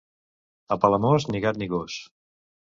A Palamós, ni gat ni gos.